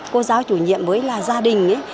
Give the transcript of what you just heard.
cô giáo chủ nhiệm với gia đình